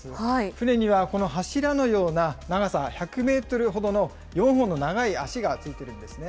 船には、この柱のような長さ１００メートルほどの４本の長い足が付いているんですね。